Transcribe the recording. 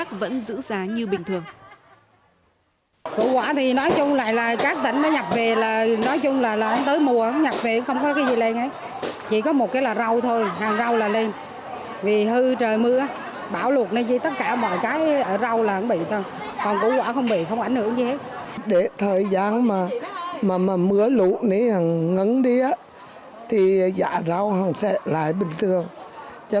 các loại khác vẫn giữ giá như bình thường